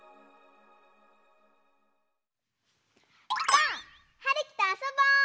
ばあっ！はるきとあそぼう！